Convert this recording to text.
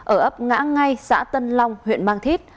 ở ấp ngã ngay xã tân long huyện mang thít